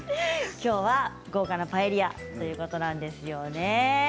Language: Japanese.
きょうは豪華なパエリアということなんですよね。